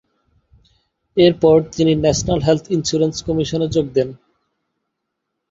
এর পর তিনি ন্যাশনাল হেলথ ইন্সুরেন্স কমিশনে যোগ দেন।